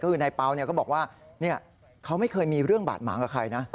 ก็คือนายเปล่าก็บอกว่าเขาไม่เคยมีเรื่องบาดหมางกับใครนะ